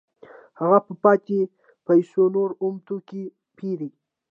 هغه په پاتې پیسو نور اومه توکي پېري